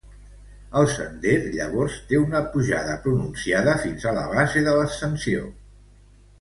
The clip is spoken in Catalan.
El sender llavors té una pujada pronunciada fins a la base de l'ascensió.